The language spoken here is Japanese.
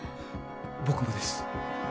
僕もです。